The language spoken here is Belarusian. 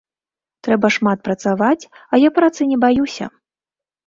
Трэба шмат працаваць, а я працы не баюся.